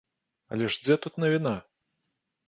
Але ж дзе тут навіна?